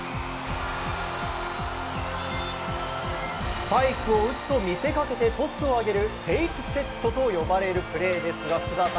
スパイクを打つと見せ掛けてトスを上げるフェイクセットと呼ばれるプレーですが福澤さん